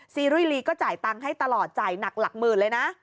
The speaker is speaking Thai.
รุยลีก็จ่ายตังค์ให้ตลอดจ่ายหนักหลักหมื่นเลยนะ